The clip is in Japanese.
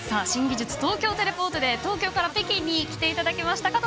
新技術、東京テレポートで東京から北京に来ていただきました。